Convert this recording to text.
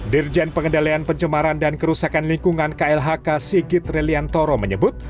dirjen pengendalian pencemaran dan kerusakan lingkungan klhk sigit reliantoro menyebut